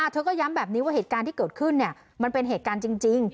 เธอก็ย้ำแบบนี้ว่าเหตุการณ์ที่เกิดขึ้นมันเป็นเหตุการณ์จริง